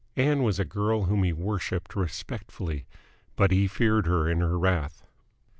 Ann was a girl whom he worshipped respectfully, but he feared her in her wrath.